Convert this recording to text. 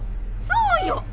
そうよ！